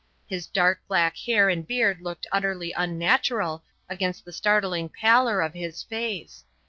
His dark black hair and beard looked utterly unnatural against the startling pallor of his face.